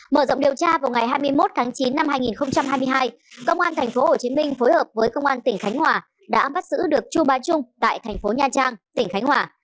mở rộng điều tra vào ngày hai mươi một tháng chín năm hai nghìn hai mươi hai công an tp hcm phối hợp với công an tp hcm đã bắt giữ được chu bá trung tại tp nha trang tp hcm